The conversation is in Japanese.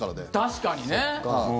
確かにね。